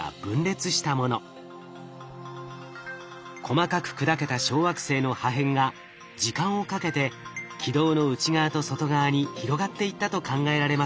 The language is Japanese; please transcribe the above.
細かく砕けた小惑星の破片が時間をかけて軌道の内側と外側に広がっていったと考えられます。